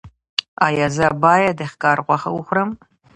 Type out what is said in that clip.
ایا زه باید د ښکار غوښه وخورم؟